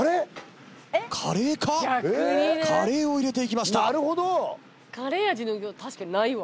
カレーか⁉カレーを入れていきました。